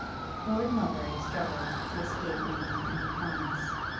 Lord Melbury struggled to escape making any promise.